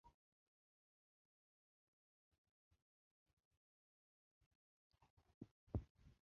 Baadhi yake ni muhimu kwa ufafanuzi wa Biblia.